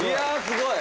すごい。